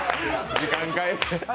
時間返せ。